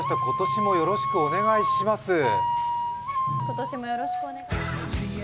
今年もよろしくお願いします。